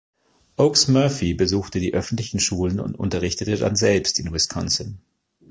Oakes Murphy besuchte die öffentlichen Schulen und unterrichtete dann selbst in Wisconsin.